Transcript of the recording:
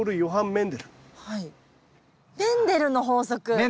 メンデルの法則。